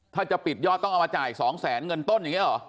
ถ้าจะปิดยอดต้องเอามาจ่าย๒แสนเงินต้นอย่างนี้เหรอ